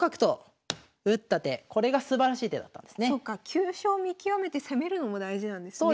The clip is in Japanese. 急所を見極めて攻めるのも大事なんですね。